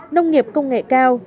nông nghiệp công nghệ cao